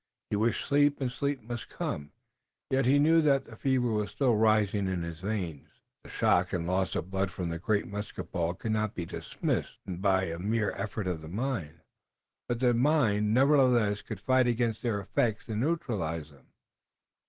He wished sleep, and sleep must come, yet he knew that the fever was still rising in his veins. The shock and loss of blood from the great musket ball could not be dismissed by a mere effort of the mind, but the mind nevertheless could fight against their effects and neutralize them.